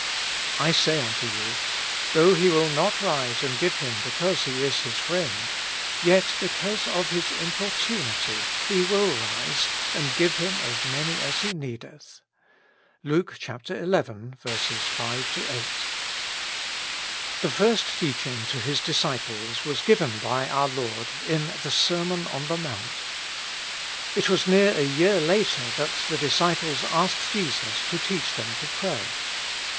I say unto you though he will not rise and give hv?i because he is HIS friend, yet because of his importunity he will rise and give him, as piany as he needeth. — LUKE Xi. 5 8. THE first teaching lo his disciples was given by cur Lord in tlie Sermon on the Mount. It was near a year later that the disciples asked Jesus to teach them to pray.